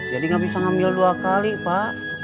jadi nggak bisa ngambil dua kali pak